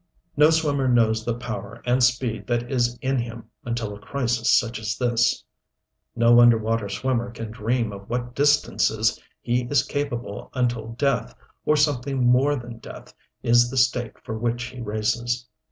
No swimmer knows the power and speed that is in him until a crisis such as this. No under water swimmer can dream of what distances he is capable until death, or something more than death, is the stake for which he races.